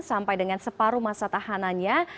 sampai dengan separuh masa tahanannya